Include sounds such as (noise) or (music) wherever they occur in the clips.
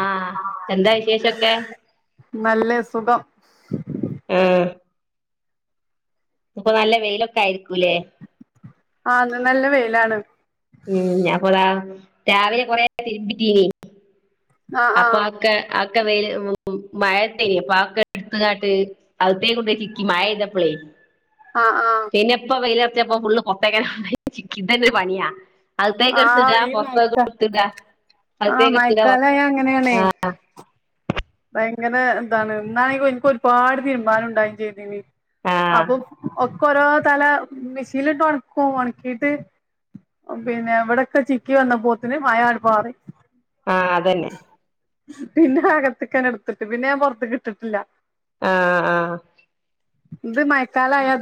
ആഹ എന്താ വിശേഷൊക്കെ നല്ല സുഖം ആഹ ഇപ്പൊ നല്ല വെയിലൊക്കെ ആയിരിക്കൂല്ലേ ആഹ ന്ന് നല്ല വെയിലാണ് ഉം ഞാൻപ്പതാ രാവിലെ കൊറെ തിരുമ്പിറ്റ ആ ആ അപ്പൊ ഒക്കെ ആ പക്ക വ മഴത്തേന പക്ക എടുത്തങ്ങാട്ട് അവിത്തേ കൊണ്ട ചിക്കി മഴ ചെയ്തപ്പളേ ആ ആ പിന്നെപ്പ വെയിലച്ചപ്പ ഫുള്ള് പൊത്തേക്കന ചി ഇതന്ന ഒരു പണിയാ അകത്തേക്കു ആ എടതിടാ ഈ പുറത്തേക്ക് മഴക്ക എടതിടാഅകത്തേക്കു എടതിടാ പുറത്തേക്ക് എങ്ങനെയണേ ഭയങ്കര എന്താണ് എന്നാണെങ്കും എനക്ക് ഒരുപാട് തീരുമ്പംനും ഉണ്ടായും ചെയ്തനി ആഹ് അപ്പൊ ഒക്ക രോ തല മെഷീനിട്ട് ഉണക്കും ഉണക്കിട്ട് പിന്നെ എവിടൊക്കെ ചിക്കി വന്ന പോത്തിന് മയ അടുപാറി ആഹ് അതന്നെ പിന്നെ അകത്തക്കാൻ എടുത്തിട്ട് പിന്നെ ഞാൻ പുൊറത്ത് ഇട്ടിട്ടില്ല ആഹ ആഹ ഇത് മയക്കാലായയാൽ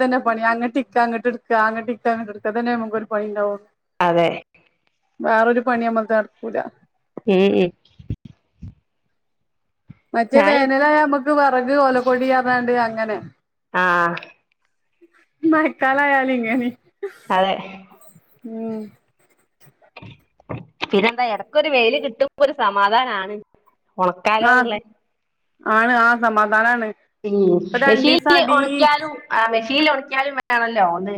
തന്നെ പണി മയക്കാലമായാൽ ഇതെന്നെ പണി അങ്ങ ടിക്ക അങ്ങോട്ട് എടുക്ക അങ്ങെ ിക്ക അങ്ങട്ട് എടുക്ക തന്നെ നമുക്ക ഒരു പണി ഉണ്ടാവുന്നു അതെ വേറരു പണിനമ്മക്ക് നടക്കൂല ഉം ഉം മറ്റേ ഞാനും വേനലായ നമ്മക്ക് വിറക് ഓലക്കൊടി എതാണ്ട് അങ്ങനെ ആഹ് മഴക്കാലമായാലിങ്ങനെം അതെ ഉം പിന്നെന്താ ഇടക്കൊ ഒരു വെയില് കിട്ടുമ്പോ ഒരു സമാധാനമാണ് ഉണക്കാലോന്നുള്ള ആഹ് ആണ് ആ സമാധാമാണ് ഉം മെഷീനിൽ ഉണക്കാലും ആ മെഷീനി ഉണക്കാലും വേണല്ലോ ഒന്ന്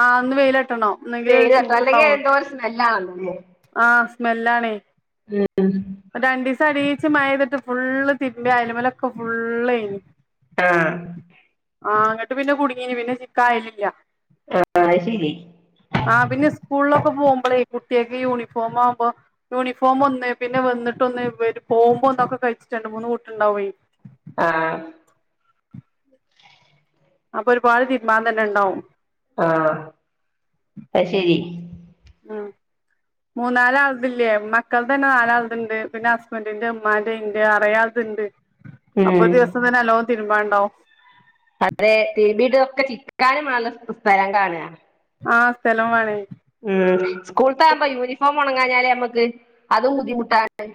ആ ഒന്ന് വെയില കിട്ടണോ എന്നെങ്കിലെ ഒരു വെയില് തട്ടണം അല്ലെങ്കിൽ ചൂട്താവുള്ളൂ എന്തോ ഒരു സ്മെല്ലാണല്ലോ ആ സ്മെല്ലാണേ ഉം രണ്ടിദിവസ അടി- പ മഴ പെയ്തിട്ട് ഫുള്ള് തിരുമ്പിയ അതിേമേലൊക്കെ ഫുളളാരുന്നു ആ ആഹ് അങ്ങിട്ട് പിന്നെ കുടുങ്ങീന് പിന്നെ ചിക്കായനില്ല അത് ശരി ആ പിന്നെ സ്കൂളിലൊക്കെ പോകുമ്പോളേ കുട്ടിയക്കെ യൂണിഫോം ആവുമ്പോ യൂണിഫോം ഒന്ന് പിന്നെ വന്നിട്ട് ഒന്ന് പോകുമ്പോ ഒന്നൊക്കെ കഴിച്ച- രണ്ടു മൂന്ന് കൂട്ടമുണ്ടാവുമേ ആ ആ അപ്പൊ ഒരുപാട് തീരുമാൻ തന്നെ ഉണ്ടാവും ആ അത് ശരി മൂന്നാല് ആളുതലില്ലേ മക്കടെതന്നെ നാലാളതുണ്ട് പിന്നെ ഹസ്ബന്ഡറിന്റെ ഉമ്മാന്റെ ഉന്റെ നിറയെ ആളുടതുണ്ട് അപ്പൊ ഉം ഒരു ദിവസം തന്നെ എല്ലാം തിരുമ്പാൻ ഉണ്ടാവും വളരെ തീ വീടൊക്കെ ചിക്കാനും ആല്ല സ്ഥലം കാണുക ആ സ്ഥലം വേണേ ഉം സ്കൂളത്താവകുമ്പോ യൂണിഫോം ഉണങ്ങാഞ്ഞാലേ നമ്മക്ക് അതും ബുദ്ധിമുട്ടാണ്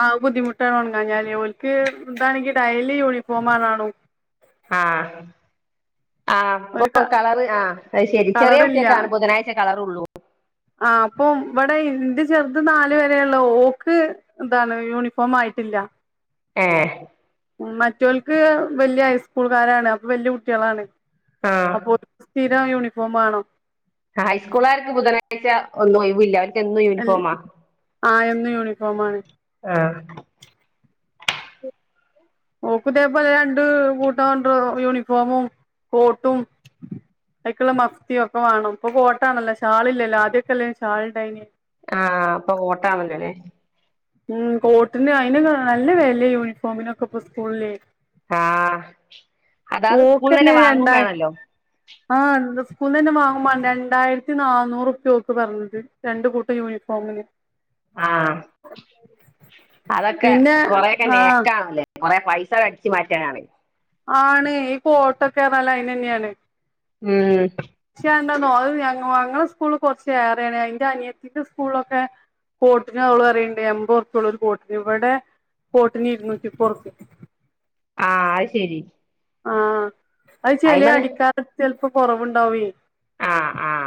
ആഹ് ബുദ്ധിമുട്ടാണ് ഉണങ്ങാഞ്ഞാല് ഓൽക്ക് എന്താണെങ്കി ഡെയലി യൂണിഫോം കാണു ആ ആഹ് ഇപ്പൊ ഒരു ക കളർ ആ അത് ശരി ചെറിയ കളറില്ല കുട്ടിയക്കൊണ് ബുധനാഴ്ച കളറള്ളൂ ആഹ് അപ്പൊ ഇ- വിടെ ഇന്റെ ചെറുത് നാലു വരെയള്ള ഓക്ക് ഇതാണ് യൂണിഫോം ആയിട്ടില്ല ആ ഉം മറ്റവൾക്ക് വല്യ ഹൈസ്കൂളുകാരാണ് അപ്പൊ വല്യ കുട്ടികളാണ് ആ അപ്പൊ ഒരു സ്ഥിര യൂണിഫോം ആണോ ഹൈസ്കൂളാർക്ക് ബുധനാഴ്ച ഒന്നും ഒഴിവില്ല അവർക്ക് എന്നും യൂണിഫോമാ ആ എന്ന് യൂണിഫാം ആണ് ആ നോക്കിതേപോലെ രണ്ട് കൂട്ടാണ്ട യൂണിഫോമും കോട്ടും അതക്കുള്ള മഫിതിയോ ഒക്കെ വേണം ഇപ്പൊ കോട്ടാണല്ല ഷാളില്ലല്ലോ ആദ്യക്കെല്ലായിരുന്നു ഷാളി ണ്ടായന്നെ ആ ആഹ് ഇപ്പൊ കോട്ടാണല്ലേ ഉം കോട്ടിന് അയിന് നല്ല വിലയാ യൂണിഫോമിനൊക്കെ ഇപ്പ സ്കൂളില് ആ അതാത് സ്കൂളിന്ന് തന്നെ വാങ്ങകയും വേണല്ലോ ആഹ സ്കൂളൽ നിന്ന് തന്നെ വാങ്ങുകയും വേണ്ടേ രണ്ടായിരത്തി നന്നൂറ ഉപ്യ ഒക്കെ പറഞ്ഞത് രണ്ട കൂട്ടം യൂണിഫോമിന് ആ അതൊക്കെ പിന്നെ കൊറെയൊക്കെ ആഹ് നേക്കാണല്ലേ കൊറെ പൈസ അടിച്ചു മാറ്റാനാണ് ആണ് ഈ കോട്ടക്കെ ഏതായാലും അതിന് തന്നെയാണ് ഉം ന്നോ അത് ഞ ഞങ്ങളുടെ സ്കൂള് കുറച്ച് ഏറയാണ് എന്റെ അനിയത്തിന്റെ സ്കൂളൊക്കെ കോട്ന്ന്അവൾ പറയിണ്ട്എമ്പത്ഉറിപ്പഉള്ളുഒരു കോട്ടി ഇവിടെ കേട്ടിന്ഇരുന്നൂറ്റി മുപ്പത്ത് ഉറുപ്പെ ആഹ അ ത്ശരി ആഹ അത് ചെല അടിക്കാരത് ചിലപ്പോകൊറവുണ്ടാവേ ആഹ ആഹ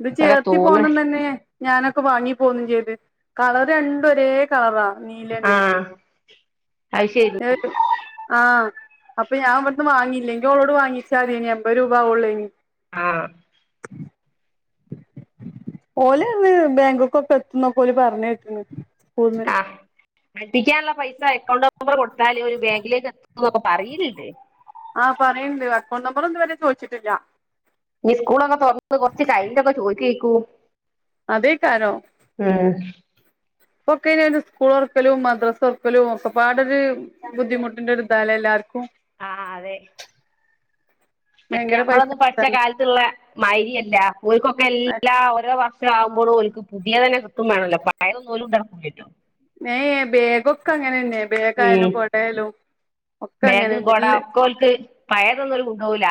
ഇത് ചേർത്തി പോന്ന തന്നെയെ ഞാനൊക്കെ വാങ്ങിപ്പോന്നും ചെയ്ത് കളർ രണ്ടുഒരേ കളറാ ആ നീലന്നെ അത് ശരി ആഹ അപ്പൊ ഞാൻ ഇവിടുന്ന് വാങ്ങീല്ലെങ്കിൽ ഇയ്യ് ഓളോട് വാങ്ങിച്ചാ മതി ഇനി മ്പത് രൂപ ആവള്ളൂ നി ആ ഓലെത് ബാങ്ക്ക്കൊക്കെ എത്തുന്നൊക്കെ ഓല്‌പറഞ്ഞ കേട്ടിന്ന് ആ പെട്ടിക്കാനുള്ള പൈസ അക്കൗണ്ട് നമ്പർ കൊടു താൽ ഓല് ഒരു ബാങ്കിലേക്ക് എത്തുന്നകെ പറയിണ് ണ്ട് ആ പറയണ്ട് അക്കൗണ്ട് നമ്പർ ഒന്നും ഇതു വരെ ചോദിച്ചിട്ടില്ല നീ സ്കൂളൊക്കെ തുറന്നത് കൊറച്ച് ടൈന്റെൊക്കെ ചോയികെക്കു അതേക്കാരോ ഇപ്പോ ഒക്കിന്നുംസ്കൂൾ ഓറക്കലും മദ്രസ തെറക്കലും ഒക്കെ പാടൊരു ബുദ്ധിമുട്ടിന്റെ ഇതല്ല എല്ലാർക്കും ആഹ് അതെ ഭയങ്കര പൈസ നമ്മള് പഠിച്ച കാലത്ത്ഉള്ള മയിരി അല്ല ഓൽക്ക് എല്ലാം ഒരോ വർക്ക് ഇ ആകുമ്പോഴോക്ക് പുതിയ തന്നെ കിട്ടും വേണല്ലോ പയൊന്നുമലും ഇണ്ടാക്കൂല്ലലോ എ ബേഗൊക്കെ അങ്ങനെന്നെയ ബേഗായാലും കൊടയാലും ഒക്കെ ബെഗ് അങ്ങനെന്നെ കൊട എല്ല ഒക്കോൽക്ക് പയതൊന്നും കൊണ്ടോവുല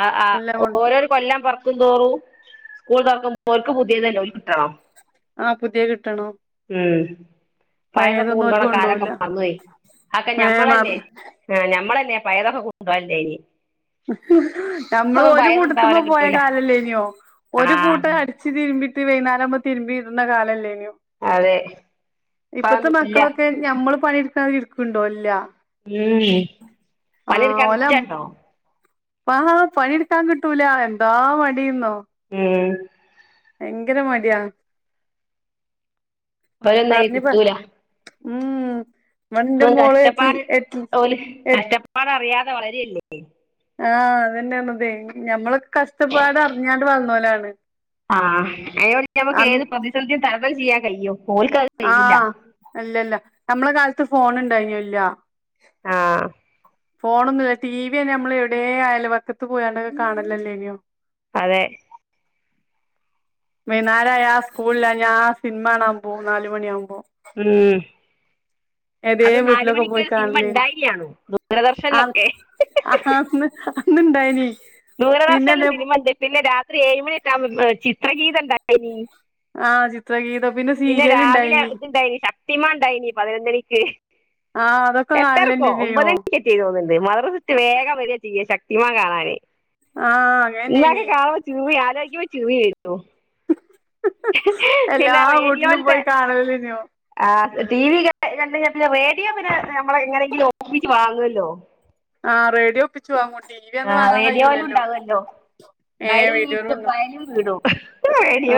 ആ ആ എല്ലാം കൊ ഓരോ കൊല്ലാം പുറ കും തോറും സ്കൂൾ തുറക്കുമ്പോക്ക് പുതിയ തന്നെ ഓല്ക് കിട്ടണം ആ പുതിയ കിട്ടണം ഉം പയതൊക്കെ പഴയതൊന്നും ഓല് കൊണ്ടപോണം കാലൊക്കെ കൊണ്ടോവൂല മറന്നു പോയിഅക്കെ ഏഹ് മ ഞമ്മളല്ലേ ആ നമ്മള്ള്തന്നെ പയതൊക്കെ കൊണ്ടുപോവലുണ്ടായത് നമ്മള് ഒരു കൂട്ടത്തുമ്പോ കൊണ്ടോവലെ പോയ കിട്ടൂല കാലല്ലേ നോ ആ ഒരു കൂട്ടം അടിച്ച് തിരുമ്പിട്ട് വൈന്നരം തിരുമ്പി ഇട്ന്ന കാലല്ലേനോ അതെ ഇപ്പത്തെ ഇപ്പതൊന്നും ഇല്ല മക്കളൊക്കെ ഞമ്മള് പണിടുക്കാ ഇരിക്കണ്ടോ ഇല്ല ഉം പണി എടുകാൻ നിച്ചണ്ടോ ആ പണിയെടുക്കാൻ കിട്ടൂല എന്താ മടിന്നോ ഉം ഭങ്കര മടിയാ അവരെന്നായി പറഞ്ഞ് പ കിട്ടൂല ഉം ഇവടെന്റെ അ മോള് എട്ടി കഷ്ടപ്പാട് എട്ടി ഓല് എ കഷ്ടപ്പാട് അറിയാതെ വളരല്ലേ ആ അതന്നാണ്തെ ഞമ്മളൊക്കെ കഷ്ടപ്പാട് അറിഞ്ഞാണ്ട് വളർന്നോലാണ് ആഹ് അയോടെ നമുക്ക് അന്ന് ഏത് പ്രതിസന്ധിയും തരണംചെയ്യാൻ കയും ആ അല്ലല്ല നമ്മളെ കാലത്ത് ഫോൺ ഇണ്ടായിനോ ഇല്ല ആ ഫോണൊന്നുമല്ല ടി വി തന്നെ നമ്മൾ എവിടെ അയപക്കത്ത് പോയണ്ടൊക്കെ കാണലല്ലേ നിയോ അതെ വൈന്നാര ആയാൽ സ്കൂളില ഞ്ഞാൽ സിനിമാ കാണാൻ മ്പോ നാല്മണിയ ആകുമ്പോ ഉം അതേ അന്ന് നാല് വീട്ടിലൊക്കെ പോയി മണിക്കൊരു സിനിമ ഇണ്ടായിനാണു കാണലെനിആ ദൂരദർശനിലൊക്കെ ആ അന്ന് ഇന്ന്ണ്ടായിന് ദുരദർശനും സിനിമ ഉണ്ട് പിന്നെ രാത്രി ഏഴ് മണിട്ട ചിത്രഗീത ഇണ്ടായിനി ആ ചിത്രഗീതം പിന്നെ സീരിയൽ രാവിലെ ഇണ്ടായിനി ഇത്ണ്ടായിനി ശക്തിമാൻ ഇണ്ടായിരനി ന്പതിനൊന്നണിക്ക് ആ അതൊക്കെ എട്ടരക്കോ ഒമ്പത് കാണലന്നെനോ മണിക്ക് തോന്നുന്നുണ്ട് മദ്രാസറ്റ് വിട്ട്‌വേഗം വര ചെയ്യാ ശക്തി മാൻ കാണാനേ ആ ഇന്നൊക്കെ അങ്ങനെന്നേനി കാണുമ്പോ ചൂവി ആലോചിക്കുമ്പോ ചിറി വരു എല്ലാ വീട്ടിലും റേഡിയോയിലത്തെ പോയി കാണലല്ലേ ആ ടി വി എന്താ പിന്നെ റേഡിയോ പിന്നെ നമ്മളെ എങ്ങനെങ്കിലും ഓപിച്ച് വാങ്ങുവല്ലോ ആ റേഡിയോ ഒപ്പിച്ചു വാങ്ങും ടി വി ആ അന്ന് വാങ്ങാൻ റേഡിയോ വല്ലും കഴിയൂലല്ലോ ഇണ്ടാവല്ലോ ഏ വായരും വീട്ടും വീഡിയോലുണ്ട് വയരും വീടും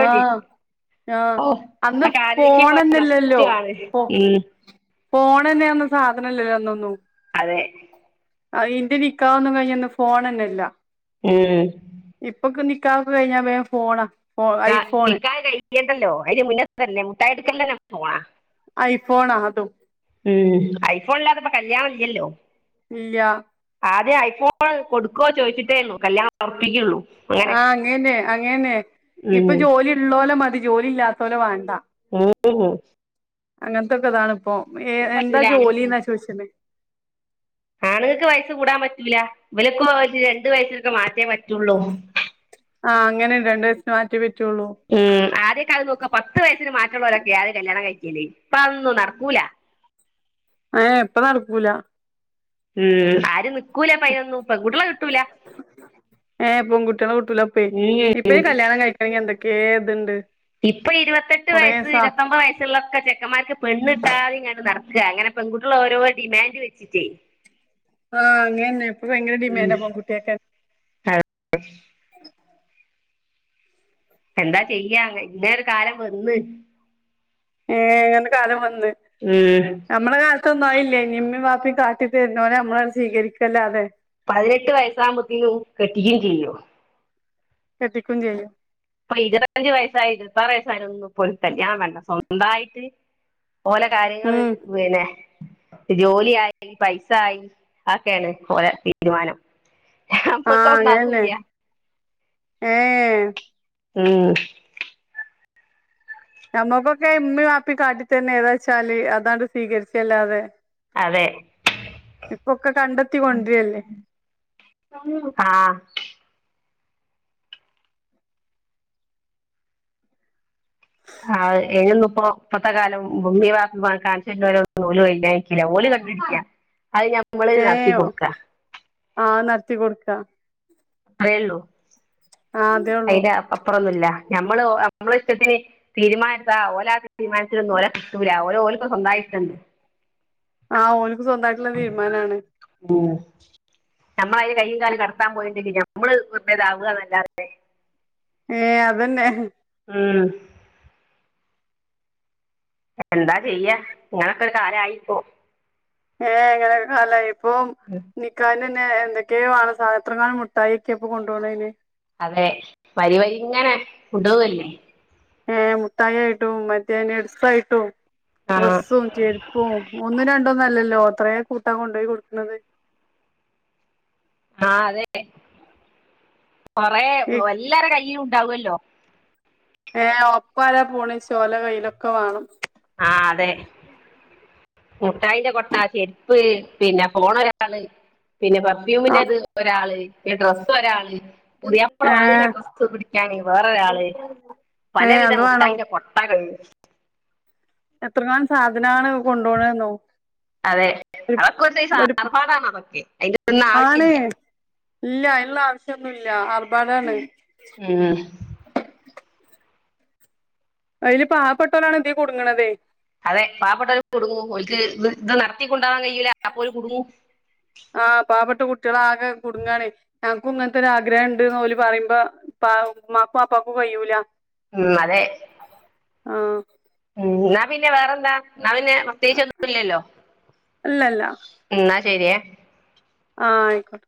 ആ ആ അന്ന് ഫോണന്നല്ലല്ലോ നഷ്ടമാണ് പോ ഉം ഫോൺ തന്നെയ ഒന്ന സാധനം ല്ലല്ലോ അന്നന്നും അതെ അ ഇന്റെ നിക്കാഹ് ഒന്നും കഴിഞ്ഞ ഒന്ന് ഫോൺ തന്നെല്ല ഉം ഇപ്പൊക്ക നിക്കാഹ് കഴിഞ്ഞ വേഗം ഫോണ് നിക്കാഹ്‌ കഴിക്കേണ്ടല്ലോ അതി മുന്നത്ത് തന്നെ മുട്ടായി എടുക്കല്ല നമ്മക്ക് ഫോൺ ആ ഐഫോൺ അതും ഐഫോൺ ഇല്ലാതെ ഇപ്പൊ കല്യാണം ഇല്ലല്ലോ ഇല്ല ആദ്യം ഐഫോൺ കൊടുക്കുവോ ചോദിച്ചിട്ടേ ഉള്ളൂ കല്യാണം ഉറപ്പിക്കുകയുള്ളൂ ആ അങ്ങന്നെ അങ്ങന്നെ ഉം ഇപ്പൊ ജോലി ഉള്ളോലോ മതി ജോലി ഇല്ലാത്തോലോ വേണ്ട ഉ (inaudible) അങ്ങനത്തെൊക്കെ ഇതാണ് ഇപ്പൊ ഏ എന്താ പറ്റൂല ജോലി എന്നാ ചോദിച്ചന് ആണുങ്ങൾക്ക് വയസ് കൂടാൻ പറ്റൂല ഇവലൊക്ക രണ്ട വയസിലൊക്കെ മാറ്റേ പറ്റുള്ളൂ ആഹ് അങ്ങനെ രണ്ട് ദിവസന് മാറ്റം പറ്റുള്ളൂ ഉം് ആദ്യൊക്കെ അത് നോക്കാ പത്ത് വയസ്സിന് മാറ്റുള്ളവരൊക്കെ ആദ്യം കല്യാണം കഴിക്ക (inaudible) ഇപ്പ അന്നും നടക്കൂല അ എപ്പ നടക്കൂല ഉ ആരും നിക്കൂല പായിനൊന്നും പെൺകുട്ടിയോളെ കിട്ടൂല ഏ പെൺകുട്ടികളെ കിട്ടില്ല പോ ഉം ഇപ്പ കല്യാണം കഴിക്കണെങ്കി എന്തൊക്കെയെ ഇതുണ്ട് ഇപ്പൊ ഇരുപത്തെട്ട് കൊറേ വയസ്സ് സാ ഇരുപത്തൊമ്പത് വയസ്സുള്ളൊക്കെ ചെക്കന്മാർക്ക് പെണ്ണിട്ടാതെ ഇങ്ങനെ നട അങ്ങനെ പെൺകുട്ടികള ഓരോ ഡിമാൻഡ് വെച്ചിട്ടേ ആഹ് അങ്ങനെന്നെ ഇപ്പൊ ഭയങ്കര ഡിമാൻഡാ പൺകുട്ടിയൊക്കെ അ എന്താ ചെയ്യാ ഇങ്ങനെ ഒരു കാലം വന്ന് ഏ എങ്ങനെ കാലം വന്ന് ഉം നമ്മടെ കാലത്തൊന്നും ആയില്ലേ ഇമ ബാപ്പയും അപ്പ കാട്ടി തരുന്നോനെ നമ്മള സ്വീരിക്കല്ലേ അതെ പതിനെട്ട് വയസ്സാകുമ്പോത്തിനും കെട്ടിക്കും ചെയ്യും കെട്ടിക്കയും ചെയ്യാം ഇപ്പൊ ഇരുപത്തി അഞ്ച് വയസായി ഇരുപത്താറ് വയസ്സായ ഒന്നും പോ കല്യാണം വേണ്ട സ്വന്തമായിട്ട് ഓലെ കാര്യങ്ങൾ ഉം പിന്നെ ജോലിയ ആയി പൈസ ആയി ആക്കെയാണ് പോല തീരുമാനം അപ്പ ആഹ് കനാ അങ്ങനെന്നെ പോയിയ ഏ ഉം നഞമ്മക്കൊക്കെ ഉമ്മി മാപ്പി കാട്ടി തന്നെ ഏതാ വച്ചാല് അതാണ്ട് സ്വീകരിച്ചല്ലാതെ അതെ ഇപ്പൊക്കെ കണ്ടെത്തി കൊണ്ടരില്ലേ ആഹ ആഹ് എന്ന ഇപ്പോ ഇപ്പത്തെ കാലം ഭമി (inaudible) കാണവരന്നുംല ഇല്ലില്ലഓല ിക്ക അത് ഞമ്മൾ ഏ നടത്തി കൊൊടുക്ക ആ നടത്തി കൊടുക്ക അത്രയേ ഉള്ളൂ ആ അതേ ഉള്ളൂ അയിന്റെപ്പുറംന്നുമല്ല ഞാൻ നമ്മള് നമ്മള ഇഷ്ടത്തിന് തീരുമാനത്താ ഓല തീരുമാനിച്ചന്നും ഓല കിട്ടൂല ഓർക്കൊക്കെ സ്വന്തമായിട്ട് ഓ (inaudible) ആഹ ഓനിക്ക് സ്വന്തമായിട്ടുള്ള തീരുമാനാണ് നമ്മള അതിന് കയ്യും കാലം കടത്താൻ പോയിണ്ടെങ്കിൽ നമ്മള് ഇടങ്ങേറാവു എന്നല്ലാതെ ഏ അതന്നെ ആഹ എന്താ ചെയ്യ നിങ്ങളൊക്കെ ഒരു കാലയിപ്പോ ഏഹ ഇങ്ങനെയുള്ള ഒരു കാലം ആയി ഇപ്പൊ ഉം. നിക്കാഹിന് പിന്ന എന്തൊക്കെയോ വേണം എത്ര കാല മുട്ടായി ഒക്കെപ്പോ കൊണ്ടുപോകുന്ന ഇന്ന് അതെ വരി വരി ഇങ്ങനെ കൊണ്ടുപോവല്ലേ ഏ മുട്ടായി ആയിട്ടും പിന്നെ മറ്റ് ഡ്രസ്സ് ആയിട്ടും ആ ഡ്രസ്സും ചെരുപ്പവും ഒന്നും രണ്ടോന്നും അല്ലല്ലോ അത്രയ കൂട്ടാ കൊണ്ടുപോയി കൊടുക്കുന്നത് ആഹ അതെ കൊറ എല്ലാരും കയ് ഉണ്ടാവല്ലോ ഏഹ ഒപ്പാല പൂണി ചോല കയ്യിലൊക്കെ വേണം ആഹ അതെ മുട്ടായിന്റെ കൊട്ട ചെരുപ്പ് പിന്നെ പോോണ ഒരാള് പിന്നെ ആ പെർഫ്യൂമിന്റെ അത് ഒരാള് പിെ ഡ്രസ്സസ് ഒരാള് പുതിപ്പള ഏ വാങ്ങന ഡ്രസ്സ് പിടിക്കാന വേറെ ഒരാള് ഏ പലവിധ അത് വേണോ മുട്ടായിന്റെ കൊട്ടകൾ എത്രക്കണം സാധനാണ് കൊണ്ടപോണെന്നോ അതെ അവതൊക്കെടുത്ത സാർഭാടാണ അതൊക്കെ അതിന്റെൊന്നും ആണ് ആവശ്യമില്ല ഇല്ല അതിനുള്ള ആവശ്യംൊന്നുമല്ല ആർബാടാണ് ഉം അതില് പാവപ്പെട്ടോലാണ് ഇത കുടുങ്ങണതെ അതെ പാവപ്പെട്ടവരും കൊടുങ്ങു ഒക്ക് ഇ ഇത് നടത്തിക്കൊണ്ടാവാൻ കഴയിൂല അപ്പോലും കുടുങ്ങൂ ആഹ് പാവപ്പെട്ട കുട്ടികള ആകെ കുടുങ്ങാണ് ഞങ്ങക്കും ഇങ്ങനത്തെൊ ഒരു ആഗ്രഹം ഉണ്ട്ന്ന്ലി പറയുമ്പോ ആ മാക്കും മാപ്പക്കും കഴിയൂല ഉം അതെ ആഹ ഉ ാ പിന്നെ വേറെന്താ ാ പിന്നെ പ്രത്യേകിച്ച ഒന്നല്ലല്ലോ അല്ലല്ല ശരിയ ആഹ ആയിക്കോട്ടെ